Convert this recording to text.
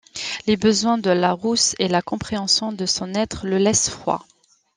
Les besoins de la rousse et la compréhension de son être le laissent froid.